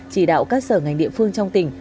chỉ đạo các sở ngành địa phương trong tỉnh